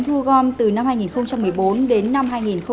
thu gom từ năm hai nghìn một mươi bốn đến năm hai nghìn một mươi bảy